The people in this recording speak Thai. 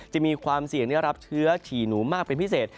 จะมีความเสี่ยงได้รับเชื้อฉี่หนูมากเป็นพิเศษ